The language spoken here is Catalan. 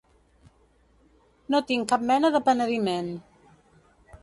No tinc cap mena de penediment.